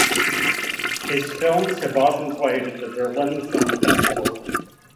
His films have often played at the Berlin Film Festival.